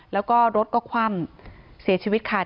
แล้วก็รถก็คว่ำเสียชีวิตค่ะ